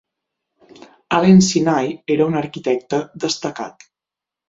Allen Sinai era un arquitecte destacat.